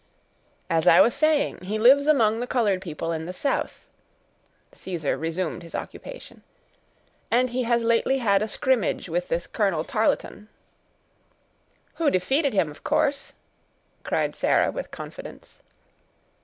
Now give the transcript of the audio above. "As I was saying, he lives among the colored people in the south"—Caesar resumed his occupation—"and he has lately had a scrimmage with this Colonel Tarleton—" "Who defeated him, of course?" cried Sarah, with confidence.